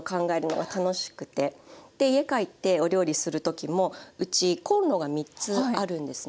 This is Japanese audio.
で家帰ってお料理する時もうちコンロが３つあるんですね。